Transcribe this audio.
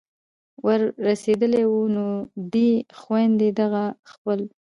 ور رسېدلي وو نو دې خویندو دغه خپل